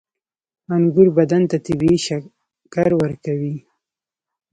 • انګور بدن ته طبیعي شکر ورکوي.